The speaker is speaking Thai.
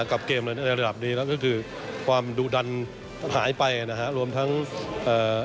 กับเกมอะไรในระดับนี้นั่นก็คือความดูดันหายไปนะฮะรวมทั้งเอ่อ